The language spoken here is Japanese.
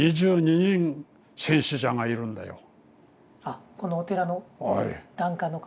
あこのお寺の檀家の方？